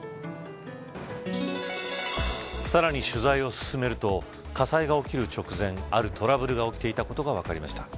さらに取材を進めると火災が起きる直前あるトラブルが起きていたことが分かりました。